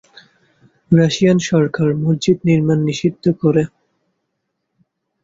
Russian সরকার মসজিদ নির্মাণ নিষিদ্ধ কর।